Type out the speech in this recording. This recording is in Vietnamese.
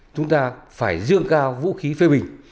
chúng ta phải dương cao vũ khí phê bình